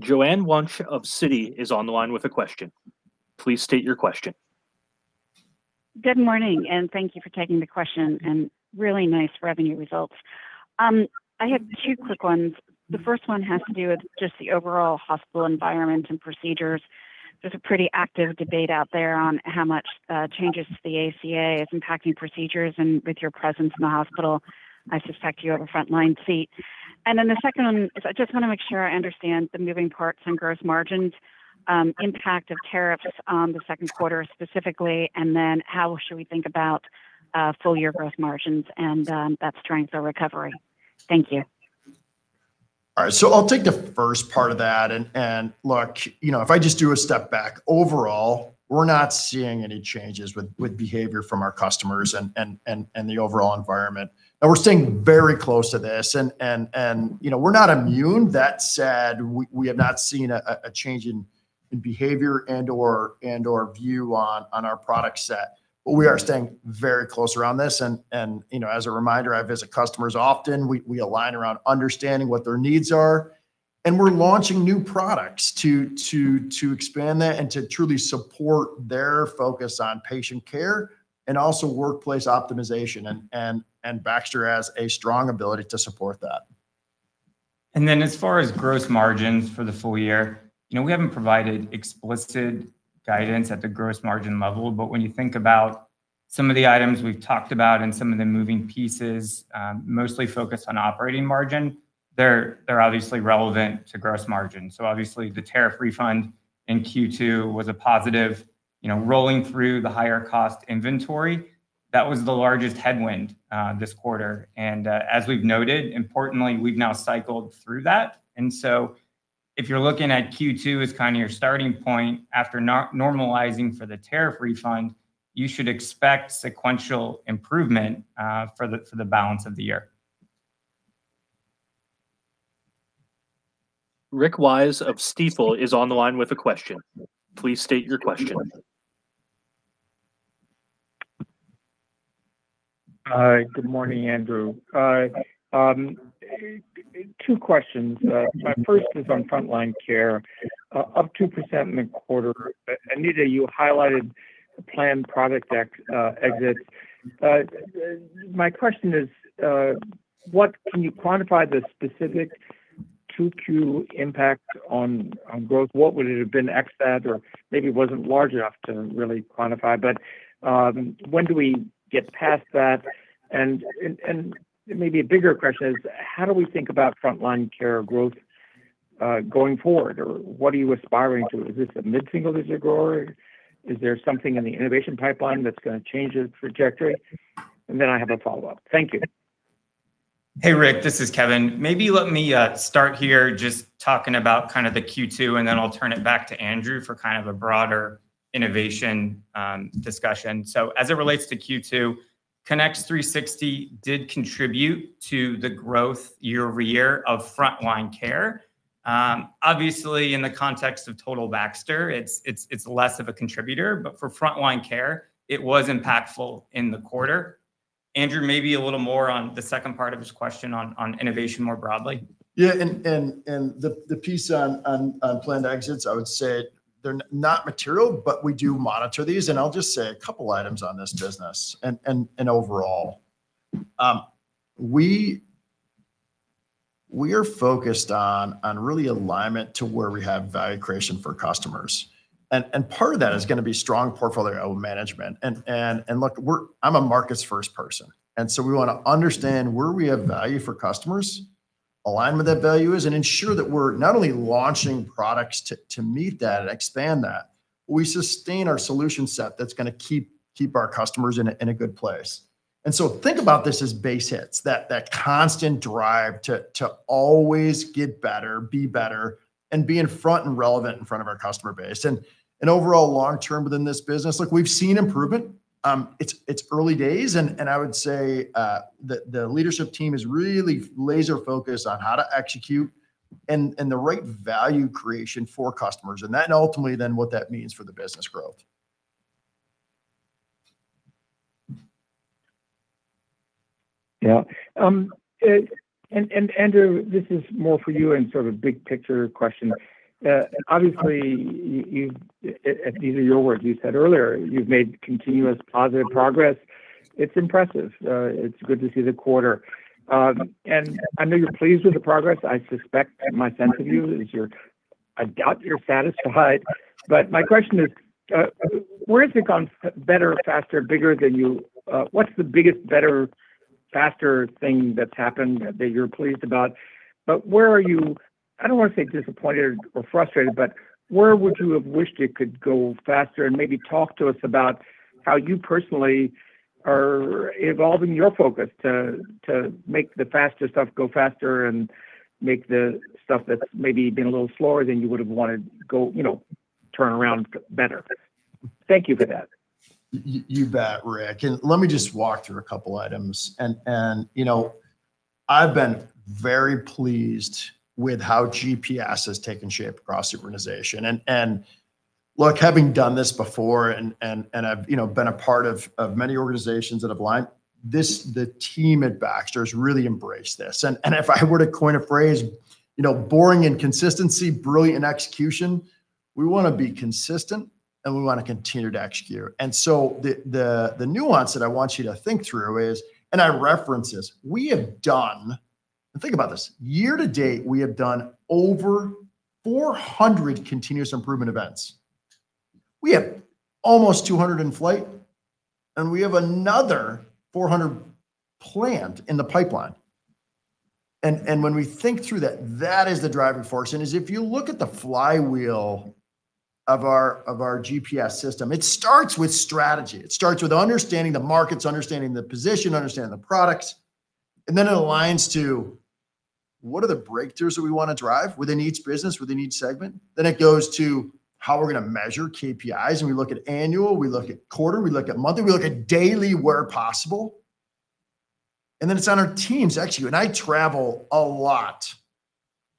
Joanne Wuensch of Citi is on the line with a question. Please state your question. Good morning, and thank you for taking the question. Really nice revenue results. I have two quick ones. The first one has to do with just the overall hospital environment and procedures. There is a pretty active debate out there on how much changes to the ACA is impacting procedures. With your presence in the hospital, I suspect you have a frontline seat. The second one is I just want to make sure I understand the moving parts and gross margins impact of tariffs on the second quarter specifically, and then how should we think about full year gross margins and that strength or recovery. Thank you. All right. I'll take the first part of that. Look, if I just do a step back, overall, we're not seeing any changes with behavior from our customers and the overall environment. We're staying very close to this. We're not immune. That said, we have not seen a change in behavior and/or view on our product set. We are staying very close around this. As a reminder, I visit customers often. We align around understanding what their needs are, and we're launching new products to expand that and to truly support their focus on patient care and also workplace optimization. Baxter has a strong ability to support that. As far as gross margins for the full year, we haven't provided explicit guidance at the gross margin level. When you think about some of the items we've talked about and some of the moving pieces, mostly focused on operating margin, they're obviously relevant to gross margin. Obviously the tariff refund in Q2 was a positive. Rolling through the higher cost inventory, that was the largest headwind this quarter. As we've noted, importantly, we've now cycled through that. If you're looking at Q2 as kind of your starting point after normalizing for the tariff refund, you should expect sequential improvement for the balance of the year. Rick Wise of Stifel is on the line with a question. Please state your question. Hi, good morning, Andrew. Two questions. My first is on Front Line Care. Up 2% in the quarter. Anita, you highlighted the planned product exits. My question is, can you quantify the specific 2Q impact on growth? What would it have been ex that? Maybe it wasn't large enough to really quantify, but when do we get past that? Maybe a bigger question is how do we think about Front Line Care growth going forward? Or what are you aspiring to? Is this a mid-single digit grower? Is there something in the innovation pipeline that's going to change the trajectory? Then I have a follow-up. Thank you. Hey, Rick, this is Kevin. Maybe let me start here just talking about the Q2, then I'll turn it back to Andrew for a broader innovation discussion. As it relates to Q2, Connex 360 did contribute to the growth year-over-year of Front Line Care. Obviously, in the context of total Baxter, it's less of a contributor. But for Front Line Care, it was impactful in the quarter. Andrew, maybe a little more on the second part of his question on innovation more broadly. Yeah. The piece on planned exits, I would say they're not material, but we do monitor these. I'll just say a couple items on this business and overall. We are focused on really alignment to where we have value creation for customers. Part of that is going to be strong portfolio management. Look, I'm a markets first person, so we want to understand where we have value for customers, align where that value is, and ensure that we're not only launching products to meet that and expand that, we sustain our solution set that's going to keep our customers in a good place. So think about this as base hits, that constant drive to always get better, be better, and be in front and relevant in front of our customer base. Overall long term within this business, we've seen improvement. It's early days, I would say that the leadership team is really laser focused on how to execute and the right value creation for customers and then ultimately what that means for the business growth. Yeah. Andrew, this is more for you and sort of a big picture question. Obviously, these are your words you said earlier, you've made continuous positive progress. It's impressive. It's good to see the quarter. I know you're pleased with the progress. I suspect my sense of you is I doubt you're satisfied. My question is where has it gone better, faster, bigger than you? What's the biggest, better, faster thing that's happened that you're pleased about? Where are you, I don't want to say disappointed or frustrated, but where would you have wished it could go faster? Maybe talk to us about how you personally are evolving your focus to make the faster stuff go faster and make the stuff that's maybe been a little slower than you would have wanted turn around better. Thank you for that. You bet, Rick. Let me just walk through a couple items. I've been very pleased with how GPS has taken shape across the organization. Look, having done this before and I've been a part of many organizations that have aligned, the team at Baxter has really embraced this. If I were to coin a phrase, boring in consistency, brilliant in execution. We want to be consistent and we want to continue to execute. The nuance that I want you to think through is, and I reference this, and think about this, year-to-date, we have done over 400 continuous improvement events. We have almost 200 in flight, and we have another 400 planned in the pipeline. When we think through that is the driving force. As if you look at the flywheel of our GPS system, it starts with strategy. It starts with understanding the markets, understanding the position, understanding the products, then it aligns to what are the breakthroughs that we want to drive within each business, within each segment? Then it goes to how we're going to measure KPIs. We look at annual, we look at quarter, we look at monthly, we look at daily where possible. Then it's on our teams to execute. I travel a lot.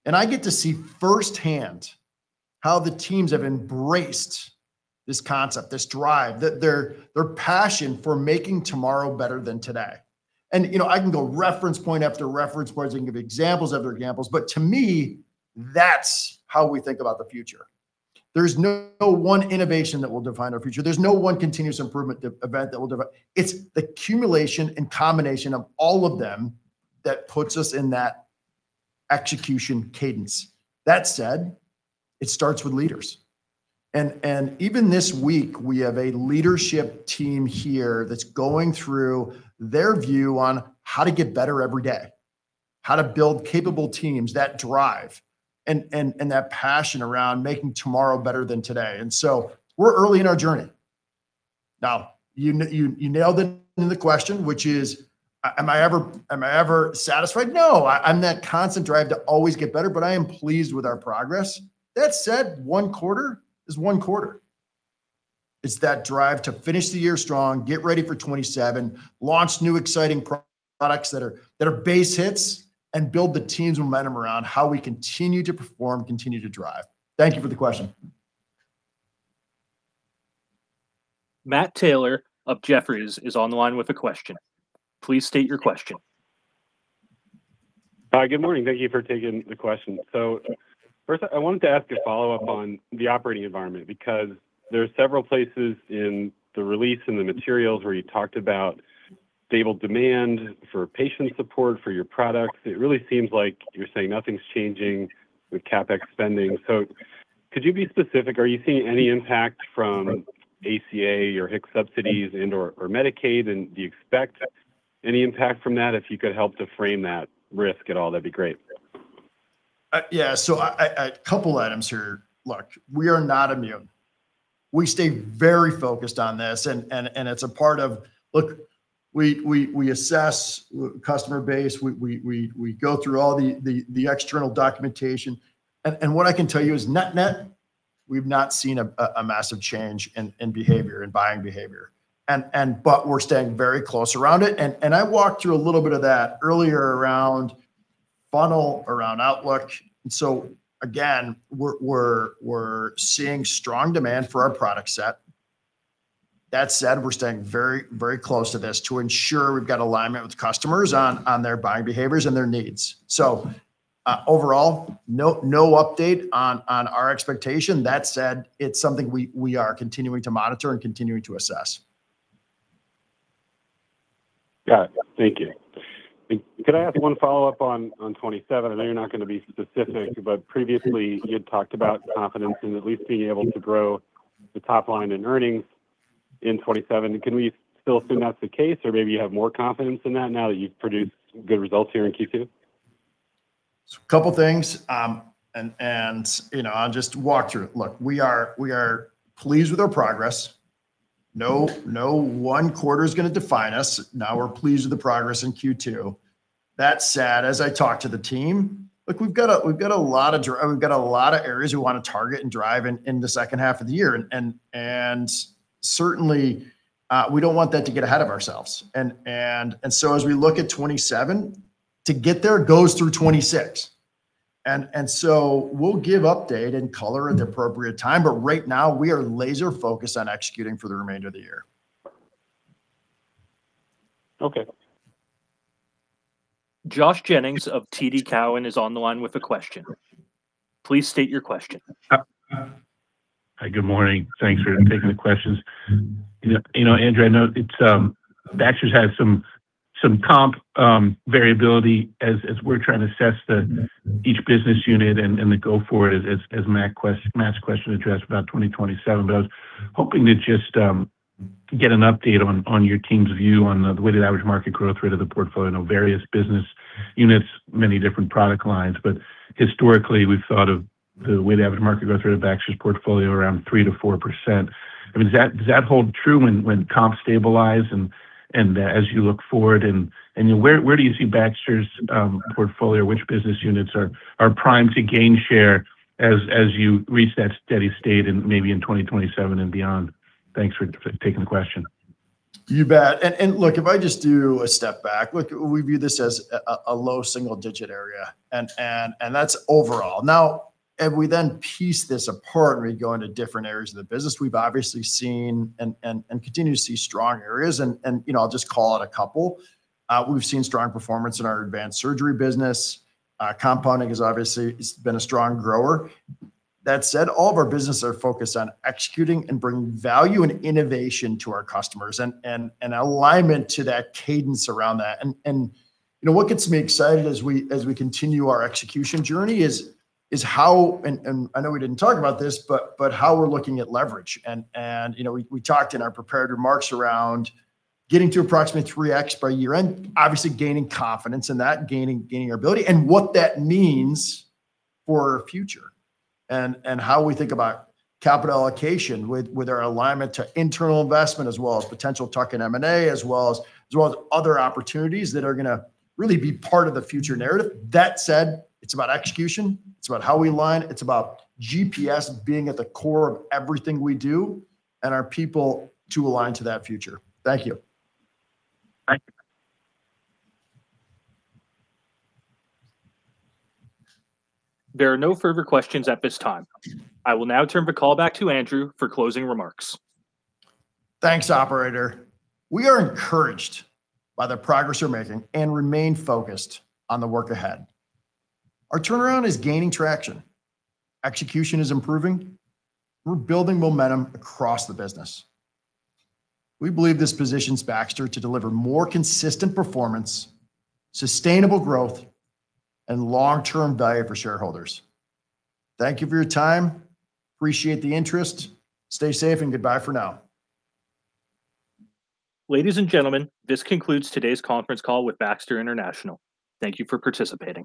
I get to see firsthand how the teams have embraced this concept, this drive, their passion for making tomorrow better than today. I can go reference point after reference point. I can give examples after examples. To me, that's how we think about the future. There's no one innovation that will define our future. There's no one continuous improvement event that will define. It's the accumulation and combination of all of them that puts us in that execution cadence. That said, it starts with leaders. Even this week, we have a leadership team here that's going through their view on how to get better every day, how to build capable teams, that drive and that passion around making tomorrow better than today. We're early in our journey. You nailed it in the question, which is, am I ever satisfied? No. I'm in that constant drive to always get better, but I am pleased with our progress. That said, one quarter is one quarter. It's that drive to finish the year strong, get ready for 2027, launch new exciting products that are base hits, and build the team's momentum around how we continue to perform, continue to drive. Thank you for the question. Matt Taylor of Jefferies is on the line with a question. Please state your question. Hi. Good morning. Thank you for taking the question. First, I wanted to ask a follow-up on the operating environment, because there are several places in the release and the materials where you talked about stable demand for patient support for your products. It really seems like you're saying nothing's changing with CapEx spending. Could you be specific? Are you seeing any impact from ACA or HCBS subsidies or Medicaid? Do you expect any impact from that? If you could help to frame that risk at all, that'd be great. Yeah. A couple items here. Look, we are not immune. We stay very focused on this. Look, we assess customer base. We go through all the external documentation. What I can tell you is net-net, we've not seen a massive change in behavior, in buying behavior. We're staying very close around it. I walked through a little bit of that earlier around funnel, around outlook. Again, we're seeing strong demand for our product set. That said, we're staying very close to this to ensure we've got alignment with customers on their buying behaviors and their needs. Overall, no update on our expectation. That said, it's something we are continuing to monitor and continuing to assess. Got it. Thank you. Could I ask one follow-up on 2027? I know you're not going to be specific, but previously you had talked about confidence in at least being able to grow the top line in earnings in 2027. Can we still assume that's the case, or maybe you have more confidence in that now that you've produced good results here in Q2? A couple things. I'll just walk through it. Look, we are pleased with our progress. No one quarter is going to define us. Now we're pleased with the progress in Q2. That said, as I talk to the team, look, we've got a lot of areas we want to target and drive in the second half of the year. Certainly, we don't want that to get ahead of ourselves. As we look at 2027, to get there goes through 2026. We'll give update and color at the appropriate time. Right now we are laser focused on executing for the remainder of the year. Okay. Josh Jennings of TD Cowen is on the line with a question. Please state your question. Hi. Good morning. Thanks for taking the questions. Andrew, I know Baxter's had some comp variability as we're trying to assess each business unit and the go forward, as Matt's question addressed about 2027. I was hoping to just get an update on your team's view on the weighted average market growth rate of the portfolio. I know various business units, many different product lines. Historically, we've thought of the weighted average market growth rate of Baxter's portfolio around 3%-4%. Does that hold true when comps stabilize and as you look forward? Where do you see Baxter's portfolio? Which business units are primed to gain share as you reach that steady state in maybe in 2027 and beyond? Thanks for taking the question. You bet. Look, if I just do a step back, look, we view this as a low single digit area, and that's overall. If we then piece this apart and we go into different areas of the business, we've obviously seen and continue to see strong areas and I'll just call out a couple. We've seen strong performance in our Advanced Surgery business. Compounding has obviously been a strong grower. That said, all of our business are focused on executing and bringing value and innovation to our customers and alignment to that cadence around that. What gets me excited as we continue our execution journey is how, and I know we didn't talk about this, but how we're looking at leverage. We talked in our prepared remarks around getting to approximate 3x by year-end, obviously gaining confidence in that, gaining ability, and what that means for our future. How we think about capital allocation with our alignment to internal investment as well as potential tuck-in M&A, as well as other opportunities that are going to really be part of the future narrative. That said, it's about execution. It's about how we align. It's about GPS being at the core of everything we do and our people to align to that future. Thank you. Thank you. There are no further questions at this time. I will now turn the call back to Andrew for closing remarks. Thanks, operator. We are encouraged by the progress we're making and remain focused on the work ahead. Our turnaround is gaining traction. Execution is improving. We're building momentum across the business. We believe this positions Baxter to deliver more consistent performance, sustainable growth, and long-term value for shareholders. Thank you for your time. Appreciate the interest. Stay safe and goodbye for now. Ladies and gentlemen, this concludes today's conference call with Baxter International. Thank you for participating.